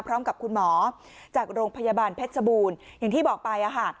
พร้อมกับคุณหมอจากโรงพยาบาลเพชรชบูรณ์อย่างที่บอกไป